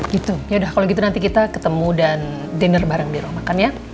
gitu yaudah kalau gitu nanti kita ketemu dan dinner bareng di rumah kan ya